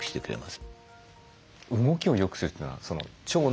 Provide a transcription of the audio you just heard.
動きをよくするというのは腸の？